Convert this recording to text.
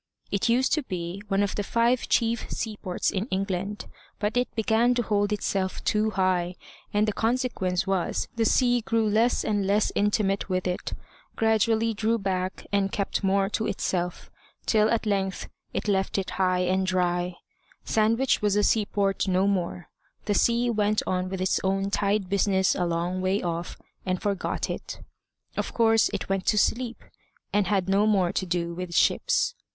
It used to be one of the five chief seaports in England, but it began to hold itself too high, and the consequence was the sea grew less and less intimate with it, gradually drew back, and kept more to itself, till at length it left it high and dry: Sandwich was a seaport no more; the sea went on with its own tide business a long way off, and forgot it. Of course it went to sleep, and had no more to do with ships.